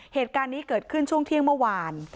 เหตุการณ์นี้เกิดขึ้นช่วงเที่ยงเมื่อวาน